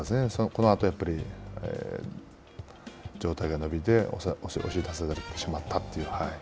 このあと、やっぱり上体が伸びて、押し出されてしまったという。